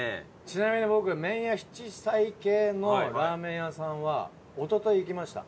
ちなみに僕麺や七彩系のラーメン屋さんはおととい行きました。